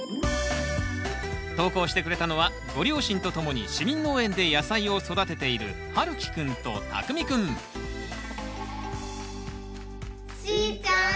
投稿してくれたのはご両親とともに市民農園で野菜を育てているはるきくんとたくみくんしーちゃん